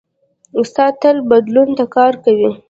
استاد تل بدلون ته کار کوي.